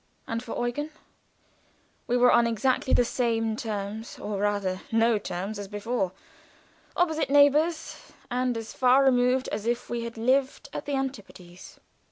And for Eugen, we were on exactly the same terms or rather no terms as before. Opposite neighbors, and as far removed as if we had lived at the antipodes.